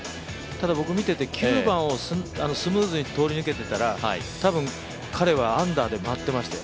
ただ僕見てて９番をスムーズに通り抜けてたら多分、彼はアンダーで回っていましたよ。